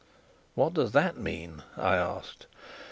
"What does that mean?" I asked.